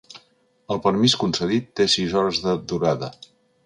El permís concedit té sis hores de durada.